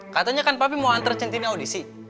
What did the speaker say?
katanya kan papi mau antar centini audisi